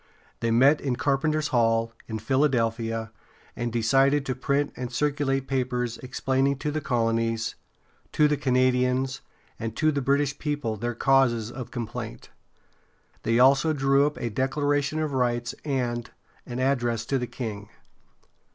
They met in Carpenter's Hall, in Philadelphia, and decided to print and circulate papers explaining to the colonies, to the Canadians, and to the British people their causes of complaint. They also drew up a declaration of rights and an address to the king.